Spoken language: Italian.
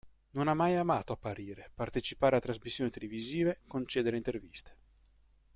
Non ha mai amato apparire, partecipare a trasmissioni televisive, concedere interviste.